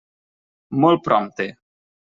Molt prompte.